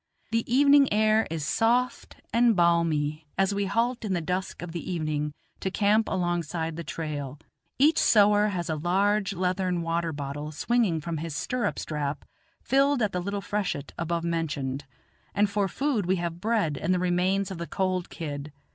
The evening air is soft and balmy I as we halt in the dusk of the evening to camp alongside the trail; each sowar has a large leathern water bottle swinging from his stirrup strap filled at the little freshet above mentioned, and for food we have bread and the remains of the cold kid.